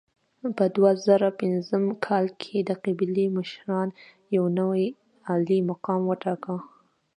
په دوه زره پنځم کال کې د قبیلې مشرانو یو نوی عالي مقام وټاکه.